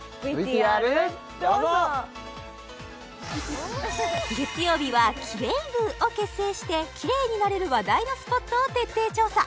ＶＴＲどうぞ月曜日はキレイ部を結成してキレイになれる話題のスポットを徹底調査